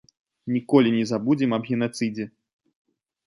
Ніколі не забудзем аб генацыдзе.